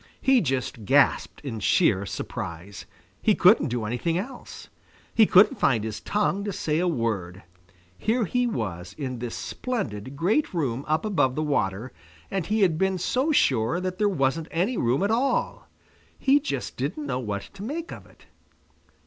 He just gasped in sheer surprise. He couldn't do anything else. He couldn't find his tongue to say a word. Here he was in this splendid great room up above the water, and he had been so sure that there wasn't any room at all! He just didn't know what to make of it.